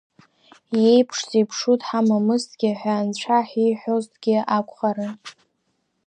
Иеиԥш зеиԥшу дҳамамызҭгьы ҳәа анцәа ҳиҳәозҭгьы акәхарын.